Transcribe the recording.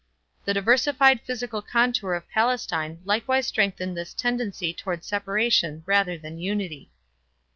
The diversified physical contour of Palestine likewise strengthened this tendency toward separation rather than unity.